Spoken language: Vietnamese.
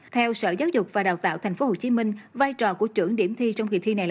theo sở giáo dục và đào tạo tp hcm vai trò của trưởng điểm thi trong kỳ thi này